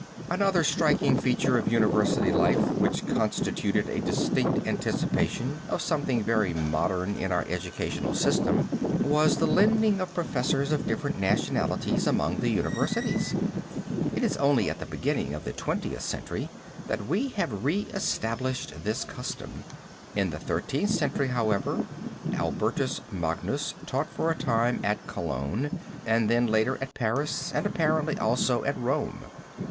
Another striking feature of university life which constituted a distinct anticipation of something very modern in our educational system, was the lending of professors of different nationalities among the universities. It is only at the beginning of the Twentieth Century that we have reestablished this custom. In the Thirteenth Century, however, Albertus Magnus taught for a time at Cologne and then later at Paris and apparently also at Rome.